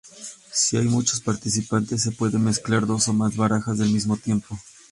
Si hay muchos participantes, se pueden mezclar dos o más barajas del mismo tipo.